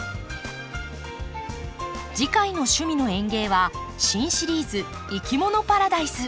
次回の「趣味の園芸」は新シリーズ「いきものパラダイス」。